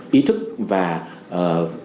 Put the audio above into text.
có ý thức và ờ